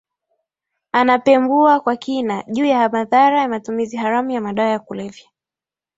anapembua kwa kina juu ya madhara ya matumizi haramu ya madawa ya kulevya